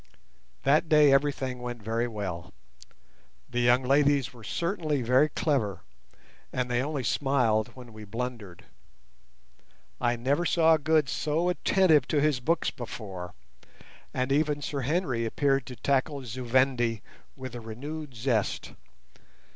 That day everything went very well: the young ladies were certainly very clever, and they only smiled when we blundered. I never saw Good so attentive to his books before, and even Sir Henry appeared to tackle Zu Vendi with a renewed zest.